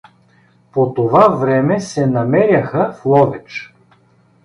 По това време се намеряха в Ловеч.